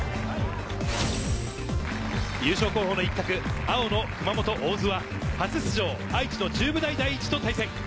優勝候補の一角、青の熊本・大津は初出場相手の中部大第一と対戦。